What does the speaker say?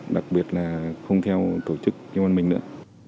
đặc biệt là không theo tổ chức dân văn mình nữa